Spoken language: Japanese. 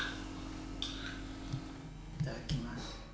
いただきます。